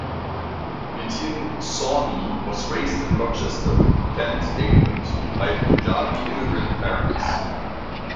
Nitin Sawhney was raised in Rochester, Kent, England, by Punjabi immigrant parents.